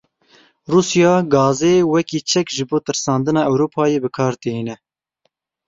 Rûsya gazê wekî çek ji bo tirsandina Ewropayê bi kar tîne.